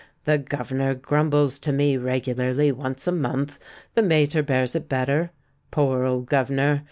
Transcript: The governor grumbles to me regularly once a month ; the mater bears it better. Poor old governor